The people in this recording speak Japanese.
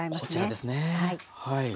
こちらですねぇ。